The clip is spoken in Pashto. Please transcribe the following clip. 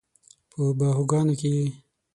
په باهوګانو کې یې